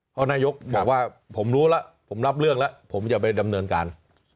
เพราะนายกบอกว่าผมรู้แล้วผมรับเรื่องแล้วผมจะไปดำเนินการ